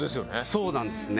そうなんですね。